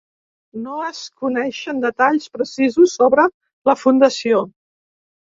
No es coneixen detalls precisos sobre la fundació.